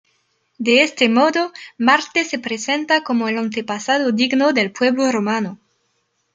De este modo, Marte se presenta como el antepasado digno del pueblo romano.